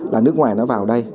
là nước ngoài nó vào đây